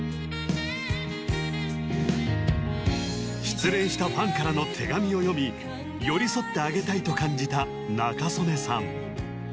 失恋したファンからの手紙を読み寄り添ってあげたいと感じた仲宗根さん